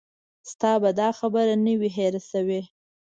ستا به دا خبره نه وي هېره شوې.